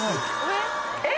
えっ！